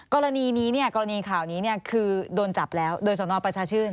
กรณีนี้เนี่ยกรณีข่าวนี้คือโดนจับแล้วโดยสนประชาชื่น